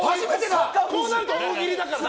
こうなると大喜利だからな。